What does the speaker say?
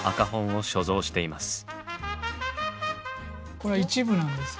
これは一部なんですけど。